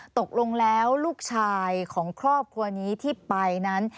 ตกลงแล้วลูกชายของครอบครัวนี้ที่ไปนั้น